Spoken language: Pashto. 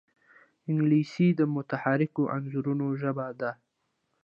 انګلیسي د متحرکو انځورونو ژبه ده